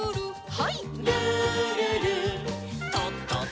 はい。